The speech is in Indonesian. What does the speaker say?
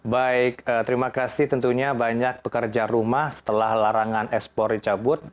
baik terima kasih tentunya banyak pekerja rumah setelah larangan ekspor dicabut